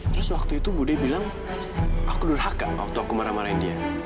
terus waktu itu budi bilang aku durhaka waktu aku marah marahin dia